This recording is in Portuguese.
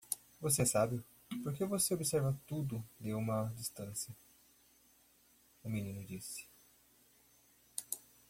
"Você é sábio? porque você observa tudo de uma distância?" o menino disse.